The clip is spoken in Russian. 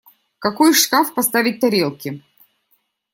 В какой шкаф поставить тарелки?